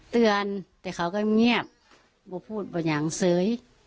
เตือนแต่เขาก็ไม่เงียบไม่พูดบ่อย่างซื้อ